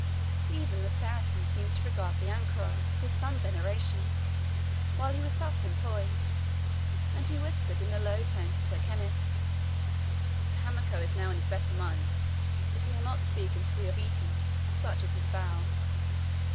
Even the Saracen seemed to regard the anchorite with some veneration, while he was thus employed, and he whispered in a low tone to Sir Kenneth, "The Hamako is now in his better mind, but he will not speak until we have eaten such is his vow."